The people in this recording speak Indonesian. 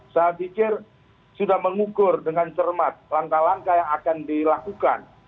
saya pikir sudah mengukur dengan cermat langkah langkah yang akan dilakukan